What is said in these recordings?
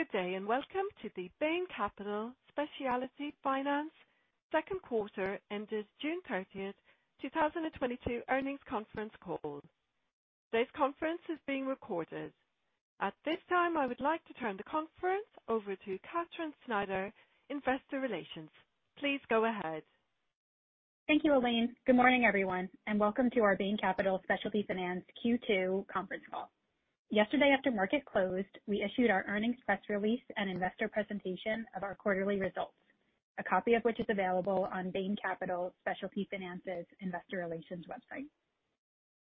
Good day, and welcome to the Bain Capital Specialty Finance second quarter ended June 30, 2022 earnings conference call. This conference is being recorded. At this time, I would like to turn the conference over to Katherine Snyder, Investor Relations. Please go ahead. Thank you, Elaine. Good morning, everyone, and welcome to our Bain Capital Specialty Finance Q2 conference call. Yesterday, after market closed, we issued our earnings press release and investor presentation of our quarterly results. A copy of which is available on Bain Capital Specialty Finance's Investor Relations website.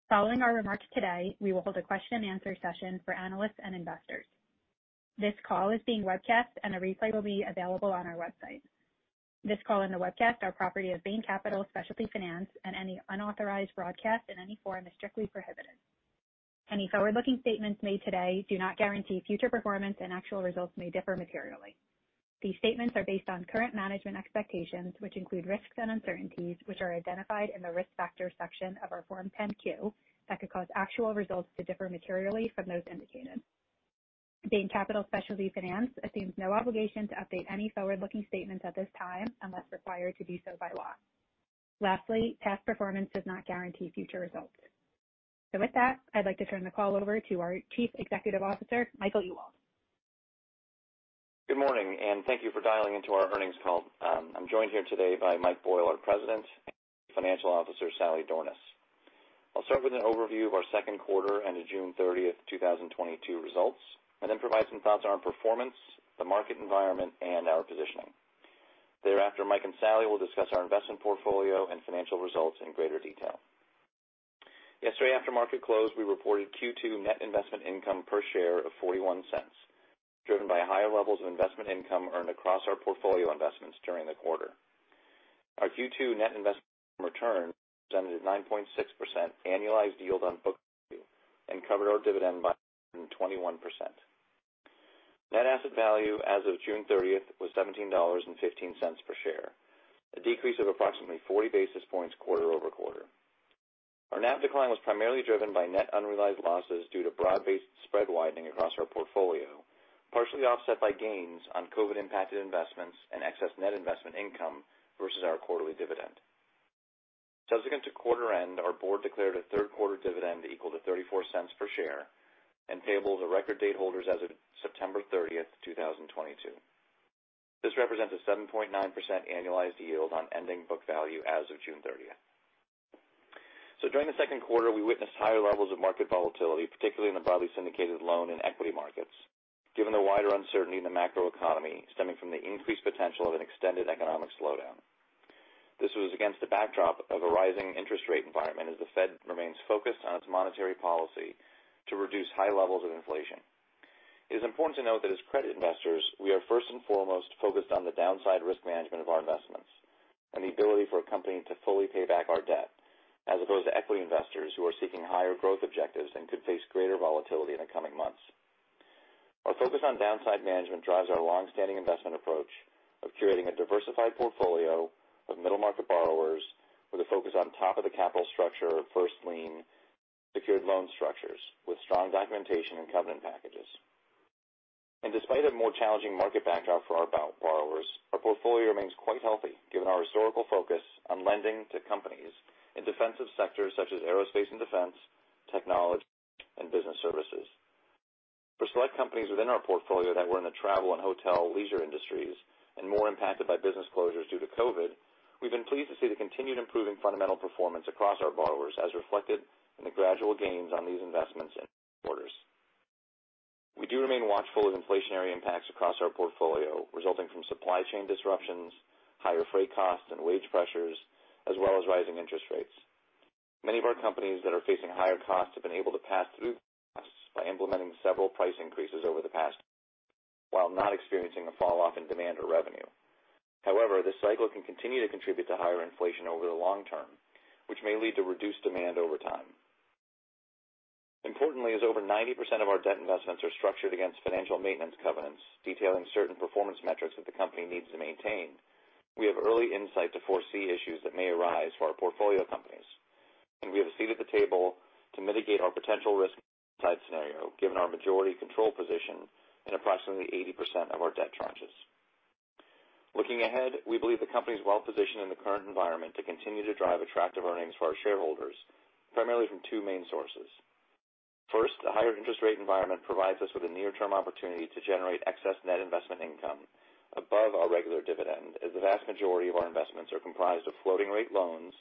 Following our remarks today, we will hold aquestion-and-answer session for analysts and investors. This call is being webcast, and a replay will be available on our website. This call and the webcast are property of Bain Capital Specialty Finance, and any unauthorized broadcast in any form is strictly prohibited. Any forward-looking statements made today do not guarantee future performance, and actual results may differ materially. These statements are based on current management expectations, which include risks and uncertainties, which are identified in the Risk Factors section of our Form 10-Q that could cause actual results to differ materially from those indicated. Bain Capital Specialty Finance assumes no obligation to update any forward-looking statements at this time unless required to do so by law. Lastly, past performance does not guarantee future results. With that, I'd like to turn the call over to our Chief Executive Officer, Michael Ewald. Good morning, and thank you for dialing into our earnings call. I'm joined here today by Mike Boyle, our President, and Chief Financial Officer, Sally Dornaus. I'll start with an overview of our second quarter and the June 30, 2022 results, and then provide some thoughts on our performance, the market environment, and our positioning. Thereafter, Mike and Sally will discuss our investment portfolio and financial results in greater detail. Yesterday, after market closed, we reported Q2 net investment income per share of $0.41, driven by higher levels of investment income earned across our portfolio investments during the quarter. Our Q2 net investment return presented 9.6% annualized yield on book value and covered our dividend by 21%. Net asset value as of June 30 was $17.15 per share, a decrease of approximately 40 basis-points quarter-over-quarter. Our NAV decline was primarily driven by net unrealized losses due to broad-based spread widening across our portfolio, partially offset by gains on COVID-impacted investments and excess net investment income versus our quarterly dividend. Subsequent to quarter end, our board declared a third quarter dividend equal to $0.34 per share and payable to record date holders as of September 30, 2022. This represents a 7.9% annualized yield on ending book value as of June 30. During the second quarter, we witnessed higher levels of market volatility, particularly in the broadly syndicated loan and equity markets, given the wider uncertainty in the macroeconomy stemming from the increased potential of an extended economic slowdown. This was against the backdrop of a rising interest rate environment as the Fed remains focused on its monetary policy to reduce high levels of inflation. It is important to note that as credit investors, we are first and foremost focused on the downside risk management of our investments and the ability for a company to fully pay back our debt, as opposed to equity investors who are seeking higher growth objectives and could face greater volatility in the coming months. Our focus on downside management drives our long-standing investment approach of curating a diversified portfolio of middle market borrowers with a focus on top of the capital structure, first lien secured loan structures with strong documentation and covenant packages. Despite a more challenging market backdrop for our borrowers, our portfolio remains quite healthy, given our historical focus on lending to companies in defensive sectors such as aerospace and defense, technology, and business services. For select companies within our portfolio that were in the travel and hotel leisure industries and more impacted by business closures due to COVID, we've been pleased to see the continued improving fundamental performance across our borrowers as reflected in the gradual gains on these investments in quarters. We do remain watchful of inflationary impacts across our portfolio, resulting from supply chain disruptions, higher freight costs and wage pressures, as well as rising interest rates. Many of our companies that are facing higher costs have been able to pass through costs by implementing several price increases over the past, while not experiencing a fall off in demand or revenue. However, this cycle can continue to contribute to higher inflation over the long term, which may lead to reduced demand over time. Importantly, as over 90% of our debt investments are structured against financial maintenance covenants detailing certain performance metrics that the company needs to maintain, we have early insight to foresee issues that may arise for our portfolio companies, and we have a seat at the table to mitigate our potential risk side scenario, given our majority control position in approximately 80% of our debt tranches. Looking ahead, we believe the company is well-positioned in the current environment to continue to drive attractive earnings for our shareholders, primarily from two main sources. First, the higher interest rate environment provides us with a near-term opportunity to generate excess net investment income above our regular dividend, as the vast majority of our investments are comprised of floating-rate loans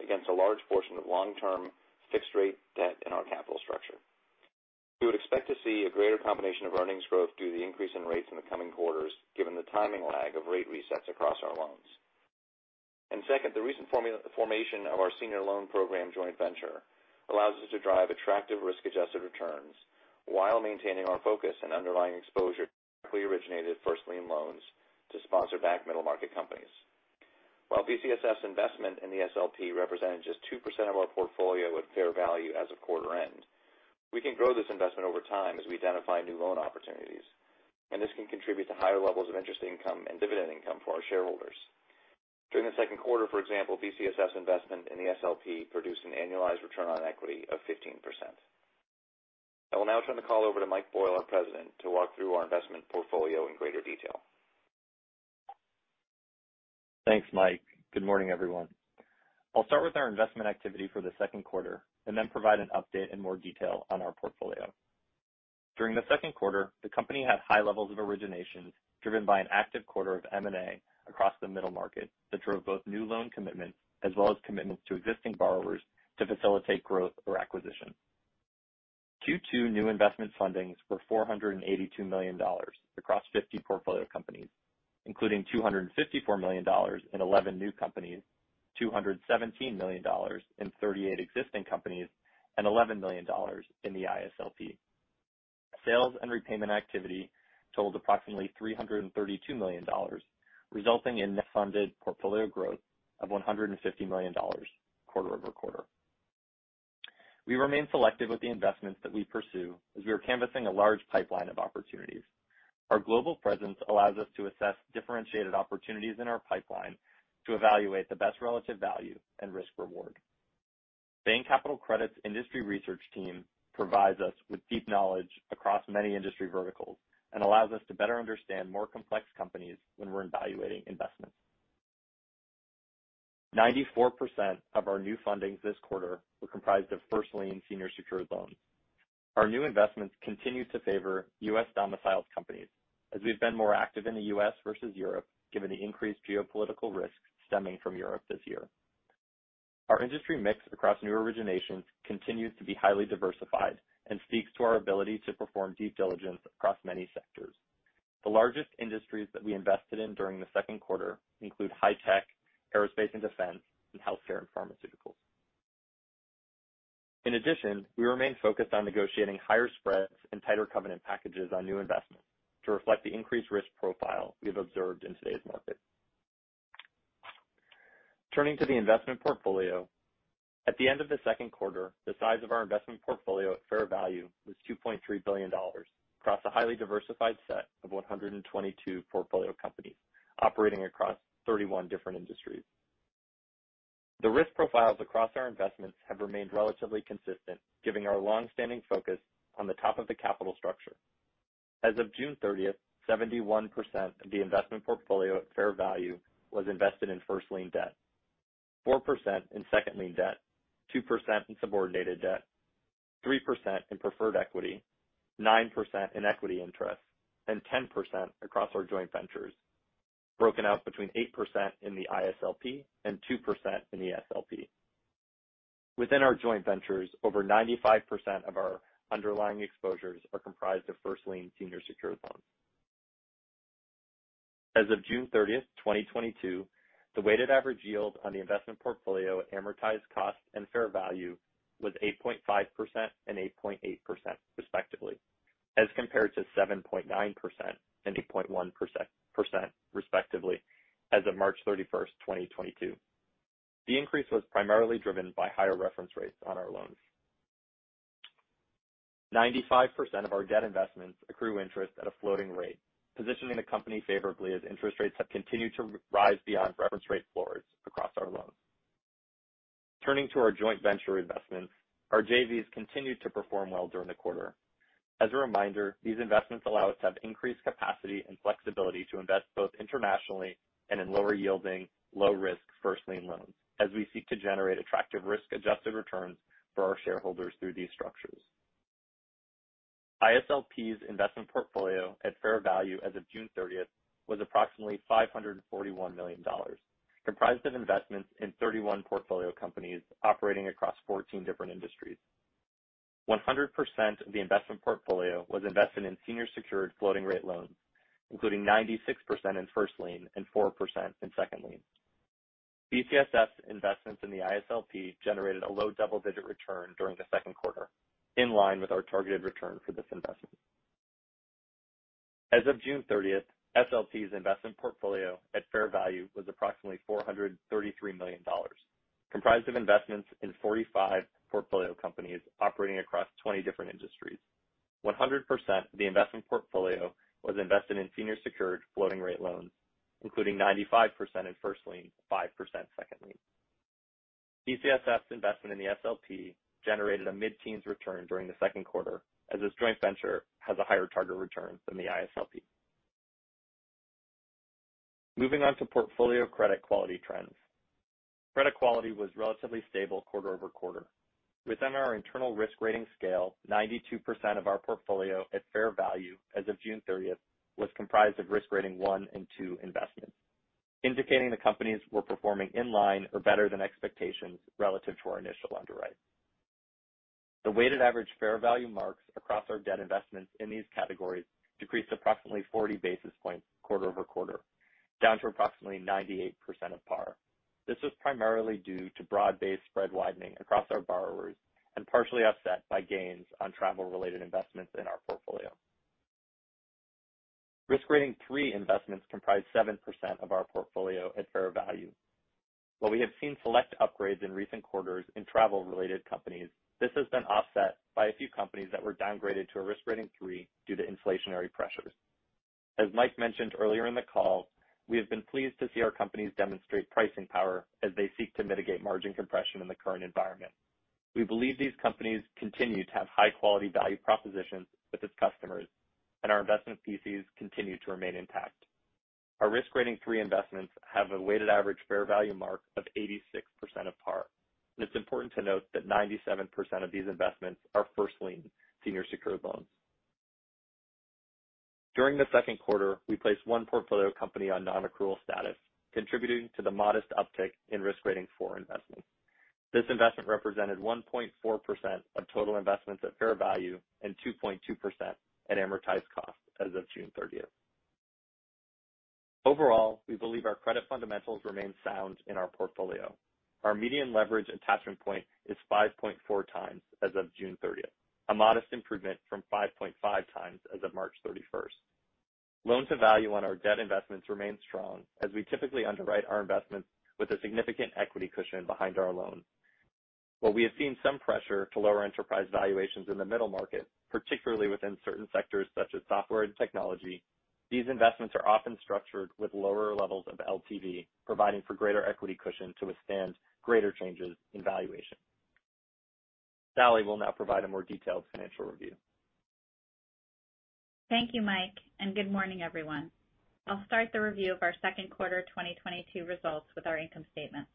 against a large portion of long-term fixed-rate debt in our capital structure. We would expect to see a greater combination of earnings growth due to the increase in rates in the coming quarters given the timing lag of rate resets across our loans. Second, the recent formation of ourSenior Loan Program joint venture allows us to drive attractive risk-adjusted returns while maintaining our focus and underlying exposure to directly originated first lien loans to sponsor-backed middle-market companies. BCSF's investment in the SLP represented just 2% of our portfolio at fair value as of quarter end. We can grow this investment over time as we identify new loan opportunities, and this can contribute to higher levels of interest income and dividend income for our shareholders. During the second quarter, for example, BCSF investment in the SLP produced an annualized return on equity of 15%. I will now turn the call over to Mike Boyle, our President, to walk through our investment portfolio in greater detail. Thanks, Mike. Good morning, everyone. I'll start with our investment activity for the second quarter, and then provide an update in more detail on our portfolio. During the second quarter, the company had high levels of originations driven by an active quarter of M&A across the middle market that drove both new loan commitments as well as commitments to existing borrowers to facilitate growth or acquisition. Q2 new investment fundings were $482 million across 50 portfolio companies, including $254 million in 11 new companies, $217 million in 38 existing companies, and $11 million in the ISLP. Sales and repayment activity totaled approximately $332 million, resulting in net funded portfolio growth of $150 million quarter-over-quarter. We remain selective with the investments that we pursue as we are canvassing a large pipeline of opportunities. Our global presence allows us to assess differentiated opportunities in our pipeline to evaluate the best relative value and risk-reward. Bain Capital Credit's industry research team provides us with deep knowledge across many industry verticals and allows us to better understand more complex companies when we're evaluating investments. 94% of our new fundings this quarter were comprised of first lien senior secured loans. Our new investments continue to favor U.S. domiciled companies as we've been more active in the U.S. versus Europe, given the increased geopolitical risk stemming from Europe this year. Our industry mix across new originations continues to be highly diversified and speaks to our ability to perform deep diligence across many sectors. The largest industries that we invested in during the second quarter include high tech, aerospace and defense, and healthcare and pharmaceuticals. In addition, we remain focused on negotiating higher spreads and tighter covenant packages on new investments to reflect the increased risk profile we have observed in today's market. Turning to the investment portfolio. At the end of the second quarter, the size of our investment portfolio at fair value was $2.3 billion across a highly diversified set of 122 portfolio companies operating across 31 different industries. The risk profiles across our investments have remained relatively consistent, giving our long-standing focus on the top of the capital structure. As of June 30, 71% of the investment portfolio at fair value was invested in first lien debt, 4% in second lien debt, 2% in subordinated debt, 3% in preferred equity, 9% in equity interest, and 10% across our joint ventures, broken out between 8% in the ISLP and 2% in the SLP. Within our joint ventures, over 95% of our underlying exposures are comprised of first lien senior secured loans. As of June 30, 2022, the weighted average yield on the investment portfolio at amortized cost and fair value was 8.5% and 8.8% respectively, as compared to 7.9% and 8.1% respectively as of March 31, 2022. The increase was primarily driven by higher reference rates on our loans. 95% of our debt investments accrue interest at a floating-rate, positioning the company favorably as interest rates have continued to rise beyond reference rate floors across our loans. Turning to our joint venture investments. Our JVs continued to perform well during the quarter. As a reminder, these investments allow us to have increased capacity and flexibility to invest both internationally and in lower yielding, low risk first lien loans as we seek to generate attractive risk-adjusted returns for our shareholders through these structures. ISLP's investment portfolio at fair value as of June 30 was approximately $541 million, comprised of investments in 31 portfolio companies operating across 14 different industries. 100% of the investment portfolio was invested in senior secured floating-rate loans, including 96% in first lien and 4% in second lien. BCSF investments in the ISLP generated a low double-digit return during the second quarter, in line with our targeted return for this investment. As of June 30, SLP's investment portfolio at fair value was approximately $433 million, comprised of investments in 45 portfolio companies operating across 20 different industries. 100% of the investment portfolio was invested in senior secured floating-rate loans, including 95% in first lien, 5% second lien. BCSF's investment in the SLP generated a mid-teens return during the second quarter, as this joint venture has a higher target return than the ISLP. Moving on to portfolio credit quality trends. Credit quality was relatively stable quarter-over-quarter. Within our internal risk rating scale, 92% of our portfolio at fair value as of June 30 was comprised of risk rating one and two investments, indicating the companies were performing in line or better than expectations relative to our initial underwrite. The weighted average fair value marks across our debt investments in these categories decreased approximately 40 basis-points quarter-over-quarter, down to approximately 98% of par. This was primarily due to broad-based spread widening across our borrowers and partially offset by gains on travel-related investments in our portfolio. Risk rating three investments comprised 7% of our portfolio at fair value. While we have seen select upgrades in recent quarters in travel-related companies, this has been offset by a few companies that were downgraded to a risk rating three due to inflationary pressures. As Mike mentioned earlier in the call, we have been pleased to see our companies demonstrate pricing power as they seek to mitigate margin compression in the current environment. We believe these companies continue to have high-quality value propositions with its customers, and our investment theses continue to remain intact. Our risk rating 3 investments have a weighted average fair value mark of 86% of par. It's important to note that 97% of these investments are first lien senior secured loans. During the second quarter, we placed 1 portfolio company on non-accrual status, contributing to the modest uptick in risk rating 4 investments. This investment represented 1.4% of total investments at fair value and 2.2% at amortized cost as of June 30. Overall, we believe our credit fundamentals remain sound in our portfolio. Our median leverage attachment point is 5.4x as of June 30th, a modest improvement from 5.5x as of March 31. Loan-to-value on our debt investments remains strong as we typically underwrite our investments with a significant equity cushion behind our loan. While we have seen some pressure to lower enterprise valuations in the middle market, particularly within certain sectors such as software and technology, these investments are often structured with lower levels of LTV, providing for greater equity cushion to withstand greater changes in valuation. Sally will now provide a more detailed financial review. Thank you, Mike, and good morning, everyone. I'll start the review of our second quarter 2022 results with our income statement.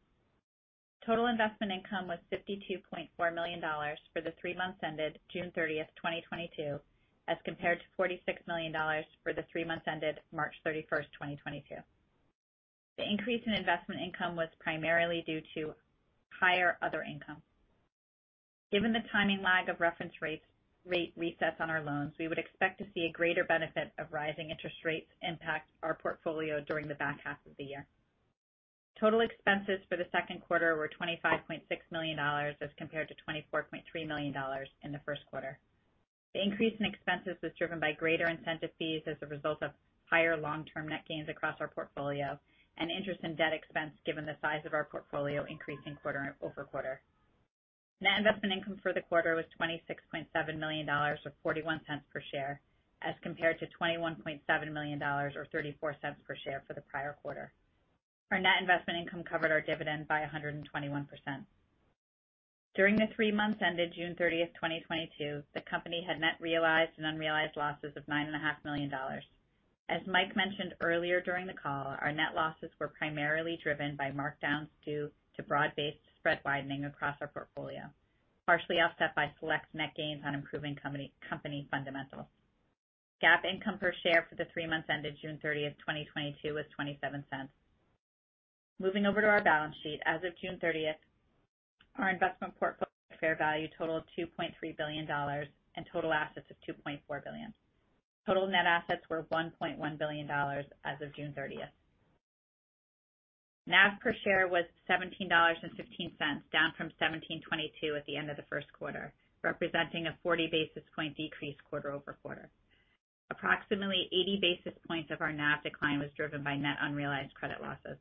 Total investment income was $52.4 million for the three months ended June 30, 2022, as compared to $46 million for the three months ended March 31, 2022. The increase in investment income was primarily due to higher other income. Given the timing lag of reference rates, rate resets on our loans, we would expect to see a greater benefit of rising interest rates impact our portfolio during the back half of the year. Total expenses for the second quarter were $25.6 million, as compared to $24.3 million in the first quarter. The increase in expenses was driven by greater incentive fees as a result of higher long-term net gains across our portfolio and interest and debt expense given the size of our portfolio increasing quarter-over-quarter. Net investment income for the quarter was $26.7 million or $0.41 per share, as compared to $21.7 million or $0.34 per share for the prior quarter. Our net investment income covered our dividend by 121%. During the three months ended June 30, 2022, the company had net realized and unrealized losses of $9.5 million. As Mike mentioned earlier during the call, our net losses were primarily driven by markdowns due to broad-based spread widening across our portfolio, partially offset by select net gains on improving company fundamentals. GAAP income per share for the three months ended June 30, 2022 was $0.27. Moving over to our balance sheet. As of June 30, our investment portfolio fair value totaled $2.3 billion, and total assets of $2.4 billion. Total net assets were $1.1 billion as of June 30. NAV per share was $17.15, down from $17.22 at the end of the first quarter, representing a 40 basis-point decrease quarter-over-quarter. Approximately 80 basis-points of our NAV decline was driven by net unrealized credit losses.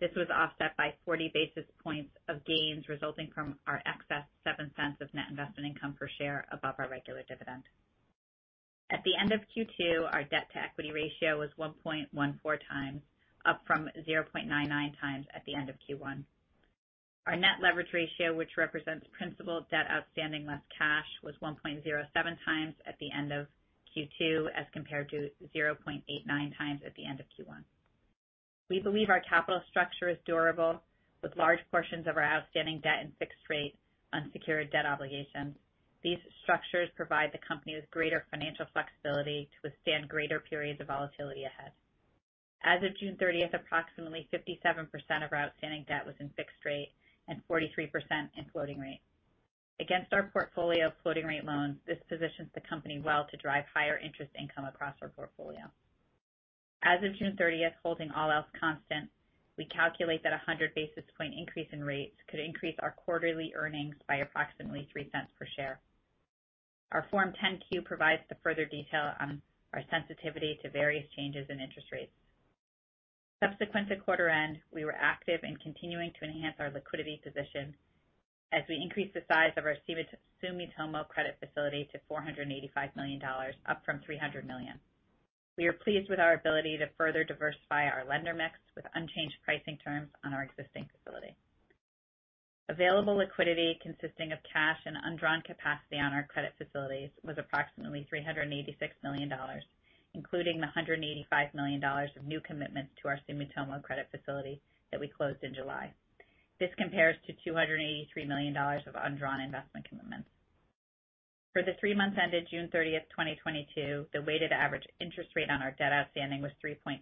This was offset by 40 basis-points of gains resulting from our excess 7 cents of net investment income per share above our regular dividend. At the end of Q2, our debt-to-equity ratio was 1.14 times, up from 0.99 times at the end of Q1. Our net leverage ratio, which represents principal debt outstanding less cash, was 1.07 times at the end of Q2 as compared to 0.89 times at the end of Q1. We believe our capital structure is durable, with large portions of our outstanding debt and fixed-rate unsecured debt obligations. These structures provide the company with greater financial flexibility to withstand greater periods of volatility ahead. As of June 30, approximately 57% of our outstanding debt was in fixed-rate and 43% in floating-rate. Against our portfolio of floating-rate loans, this positions the company well to drive higher interest income across our portfolio. As of June 30, holding all else constant, we calculate that a 100 basis-points increase in rates could increase our quarterly earnings by approximately $0.03 per share. Our Form 10-Q provides the further detail on our sensitivity to various changes in interest rates. Subsequent to quarter end, we were active in continuing to enhance our liquidity position as we increased the size of our Sumitomo credit facility to $485 million, up from $300 million. We are pleased with our ability to further diversify our lender mix with unchanged pricing terms on our existing facility. Available liquidity consisting of cash and undrawn capacity on our credit facilities was approximately $386 million, including the $185 million of new commitments to our Sumitomo credit facility that we closed in July. This compares to $283 million of undrawn investment commitments. For the three months ended June 30, 2022, the weighted average interest rate on our debt outstanding was 3.2%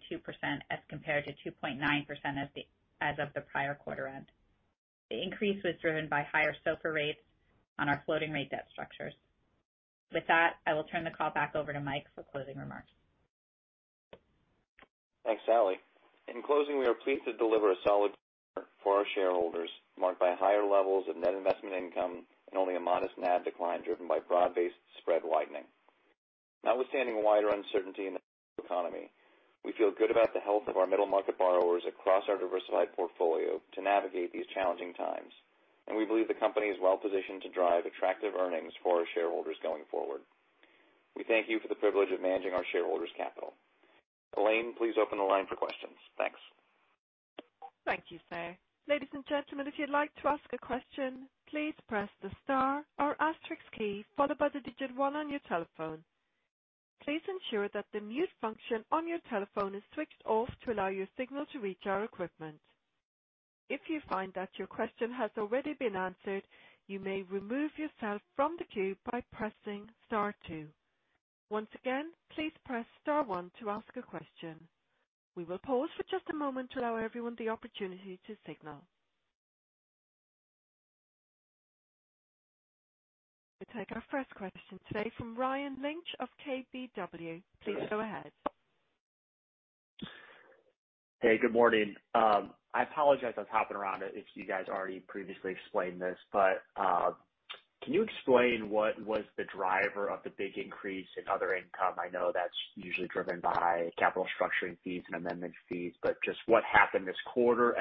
as compared to 2.9% as of the prior quarter end. The increase was driven by higher SOFR rates on our floating-rate debt structures. With that, I will turn the call back over to Mike for closing remarks. Thanks, Sally. In closing, we are pleased to deliver a solid quarter for our shareholders, marked by higher levels of net investment income and only a modest NAV decline driven by broad-based spread widening. Notwithstanding wider uncertainty in the economy, we feel good about the health of our middle market borrowers across our diversified portfolio to navigate these challenging times. We believe the company is well-positioned to drive attractive earnings for our shareholders going forward. We thank you for the privilege of managing our shareholders' capital. Elaine, please open the line for questions. Thanks. Thank you, sir. Ladies and gentlemen, if you'd like to ask a question, please press the star or asterisk key followed by the digit one on your telephone. Please ensure that the mute function on your telephone is switched off to allow your signal to reach our equipment. If you find that your question has already been answered, you may remove yourself from the queue by pressing star two. Once again, please press star one to ask a question. We will pause for just a moment to allow everyone the opportunity to signal. We take our first question today from Ryan Lynch of KBW. Please go ahead. Hey, good morning. I apologize, I was hopping around, if you guys already previously explained this, but can you explain what was the driver of the big increase in other income? I know that's usually driven by capital structuring fees and amendment fees, but just what happened this quarter.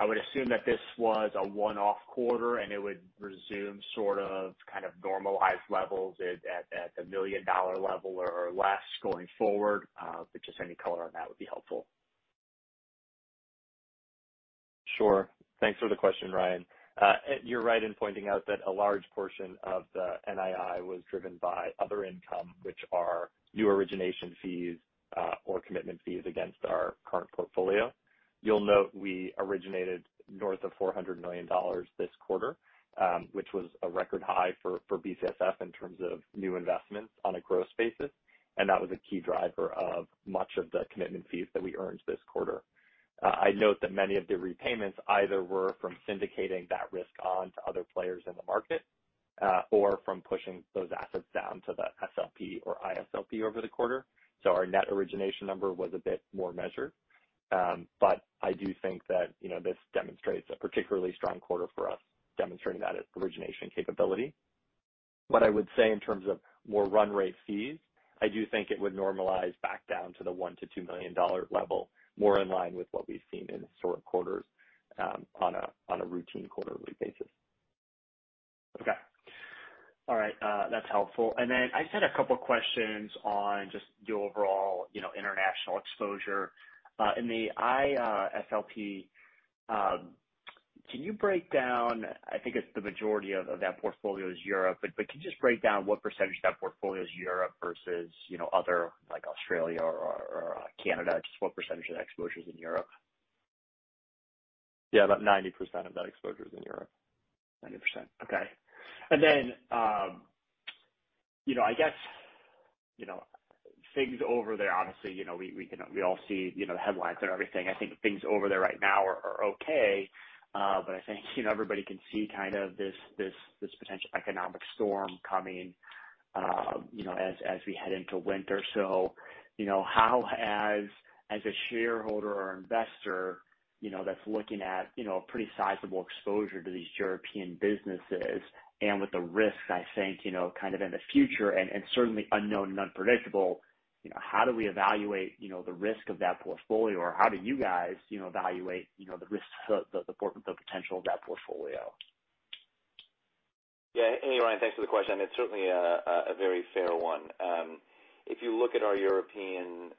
I would assume that this was a one-off quarter, and it would resume sort of kind of normalized levels at the million dollar level or less going forward. Just any color on that would be helpful. Sure. Thanks for the question, Ryan. You're right in pointing out that a large portion of the NII was driven by other income, which are new origination fees, or commitment fees against our current portfolio. You'll note we originated north of $400 million this quarter, which was a record high for BCSF in terms of new investments on a gross basis, and that was a key driver of much of the commitment fees that we earned this quarter. I'd note that many of the repayments either were from syndicating that risk on to other players in the market, or from pushing those assets down to the SLP or ISLP over the quarter. Our net origination number was a bit more measured. I do think that, you know, this demonstrates a particularly strong quarter for us, demonstrating that origination capability. What I would say in terms of more run-rate fees, I do think it would normalize back down to the $1 million–$2 million level, more in line with what we've seen in historic quarters, on a routine quarterly basis. Okay. All right, that's helpful. I just had a couple of questions on just your overall, you know, international exposure. In the SLP, can you break down. I think it's the majority of that portfolio is Europe, but can you just break down what percentage of that portfolio is Europe versus, you know, other like Australia or Canada? Just what percentage of that exposure is in Europe? Yeah, about 90% of that exposure is in Europe. 90%. Okay. You know, I guess, you know, things over there, honestly, you know, we can all see, you know, the headlines and everything. I think things over there right now are okay. I think, you know, everybody can see kind of this potential economic storm coming, you know, as we head into winter. You know, how, as a shareholder or investor, you know, that's looking at, you know, a pretty sizable exposure to these European businesses and with the risks, I think, you know, kind of in the future and certainly unknown and unpredictable, you know, how do we evaluate, you know, the risk of that portfolio or how do you guys, you know, evaluate, you know, the risks of the potential of that portfolio? Yeah. Hey, Ryan, thanks for the question. It's certainly a very fair one. If you look at our European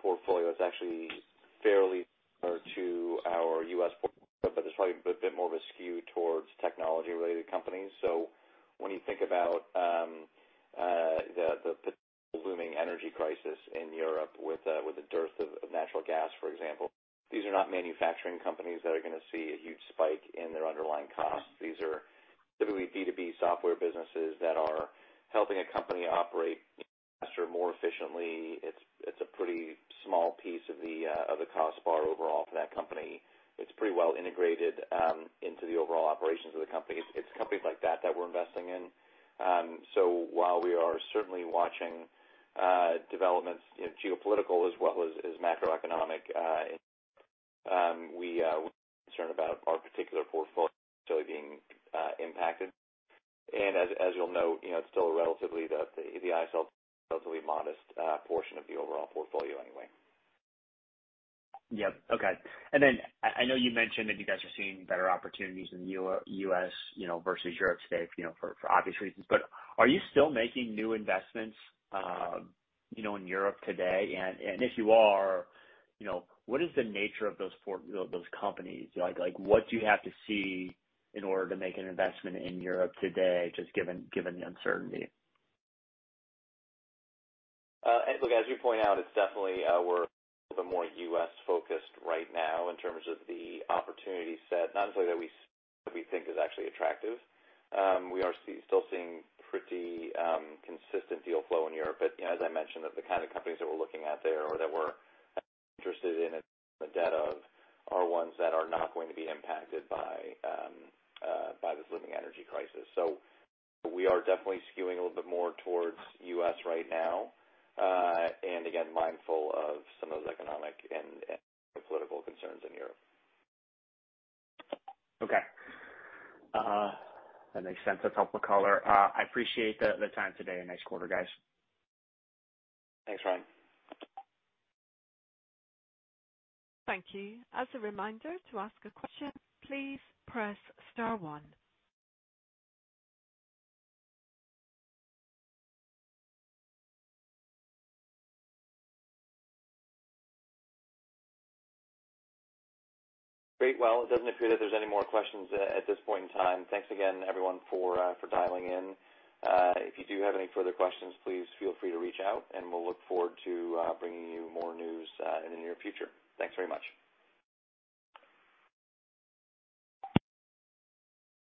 portfolio, it's actually fairly similar to our U.S. portfolio, but there's probably a bit more of a skew towards technology-related companies. So when you think about the looming energy crisis in Europe with the dearth of natural gas, for example, these are not manufacturing companies that are going to see a huge spike in their underlying costs. These are typically B2B software businesses that are helping a company operate faster, more efficiently. It's a pretty small piece of the cost base overall for that company. It's pretty well integrated into the overall operations of the companies. It's companies like that that we're investing in. While we are certainly watching developments, you know, geopolitical as well as macroeconomic, we are concerned about our particular portfolio being impacted. As you'll note, you know, it's still the ISLP, a relatively modest portion of the overall portfolio anyway. Yep. Okay. I know you mentioned that you guys are seeing better opportunities in the U.S., you know, versus Europe today, you know, for obvious reasons. But are you still making new investments, you know, in Europe today? And if you are, you know, what is the nature of those companies? Like, what do you have to see in order to make an investment in Europe today, just given the uncertainty? Look, as you point out, it's definitely we're a bit more U.S.-focused right now in terms of the opportunity set, not necessarily that we think is actually attractive. We are still seeing pretty consistent deal flow in Europe. You know, as I mentioned, the kind of companies that we're looking at there or that we're interested in the debt of are ones that are not going to be impacted by this looming energy crisis. We are definitely skewing a little bit more towards U.S. right now. Again, mindful of some of those economic and political concerns in Europe. Okay. That makes sense. That's helpful color. I appreciate the time today. A nice quarter, guys. Thanks, Ryan. Thank you. As a reminder, to ask a question, please press star one. Great. Well, it doesn't appear that there's any more questions at this point in time. Thanks again, everyone, for dialing in. If you do have any further questions, please feel free to reach out and we'll look forward to bringing you more news in the near future. Thanks very much.